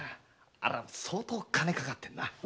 ありゃ相当金かかってんな。